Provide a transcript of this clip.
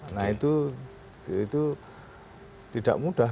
nah itu tidak mudah